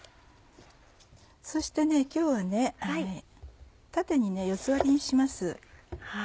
そして今日は縦に４つ割りにします。